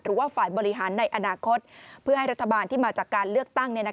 หรือว่าฝ่ายบริหารในอนาคตเพื่อให้รัฐบาลที่มาจากการเลือกตั้ง